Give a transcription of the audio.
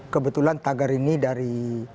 kebetulan tagar ini dari